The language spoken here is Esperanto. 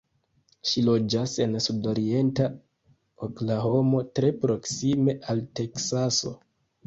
Ŝi loĝas en sudorienta Oklahomo, tre proksime al Teksaso.